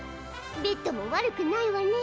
ベッドも悪くないわね。